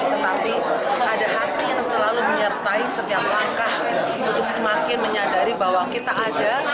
tetapi ada hati yang selalu menyertai setiap langkah untuk semakin menyadari bahwa kita ada